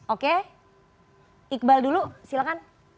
oke iqbal dulu silakan